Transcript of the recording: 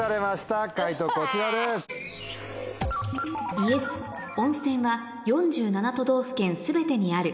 「ＹＥＳ温泉は４７都道府県全てにある」